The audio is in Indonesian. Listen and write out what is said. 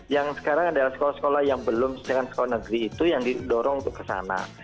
yang sekarang adalah sekolah sekolah yang belum dengan sekolah negeri itu yang didorong untuk kesana